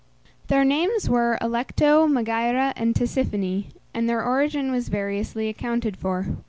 Their names were Alecto, Megæra, and Tisiphone, and their origin was variously accounted for.